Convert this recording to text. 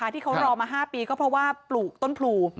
ที่เขารอมา๕ปีก็เพราะว่าปลูกต้นพลู